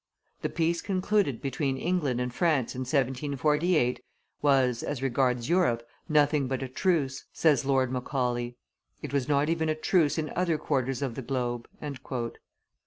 "The peace concluded between England and France in 1748 was, as regards Europe, nothing but a truce," says Lord Macaulay "it was not even a truce in other quarters of the globe."